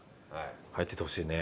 入っててほしいね。